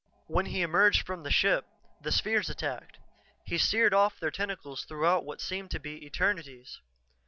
When he emerged from the ship, the spheres attacked. He seared off their tentacles throughout what seemed to be eternities.